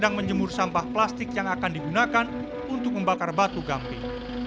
sedang menjemur sampah plastik yang akan digunakan untuk membakar batu gamping